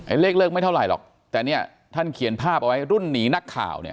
เลขเลิกไม่เท่าไหร่หรอกแต่เนี่ยท่านเขียนภาพเอาไว้รุ่นหนีนักข่าวเนี่ย